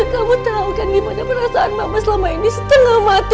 kamu tahu kan gimana perasaan bapak selama ini setengah mati